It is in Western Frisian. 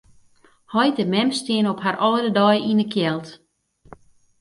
Heit en mem steane op har âlde dei yn 'e kjeld.